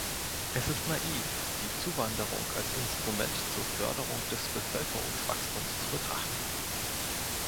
Es ist naiv, die Zuwanderung als Instrument zur Förderung des Bevölkerungswachstums zu betrachten.